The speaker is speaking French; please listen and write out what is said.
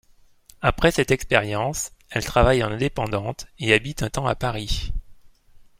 Après cette expérience, elle travaille en indépendante et habite un temps à Paris.